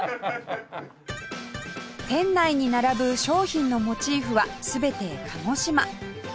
店内に並ぶ商品のモチーフは全て鹿児島